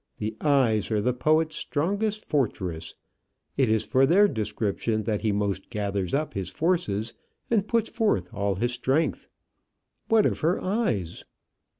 The eyes are the poet's strongest fortress; it is for their description that he most gathers up his forces and puts forth all his strength. What of her eyes?